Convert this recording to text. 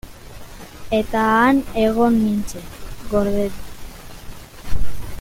Eta han egon nintzen, gordeta.